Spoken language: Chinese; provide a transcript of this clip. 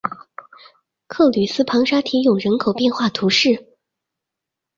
克吕斯旁沙提永人口变化图示